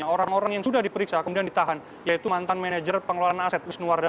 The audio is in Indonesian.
orang orang yang sudah diperiksa kemudian ditahan yaitu mantan manajer pengelolaan aset wisnu wardana